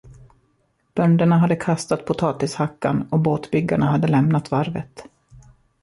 Bönderna hade kastat potatishackan och båtbyggarna hade lämnat varvet.